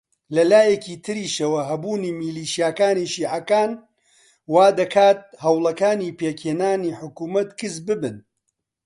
لە لایەکی تریشەوە هەبوونی میلیشیاکانی شیعەکان وا دەکات هەوڵەکانی پێکهێنانی حکوومەت کز ببن